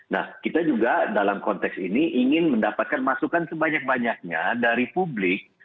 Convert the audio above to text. nah kita juga dalam konteks ini ingin mendapatkan masukan sebanyak banyaknya dari publik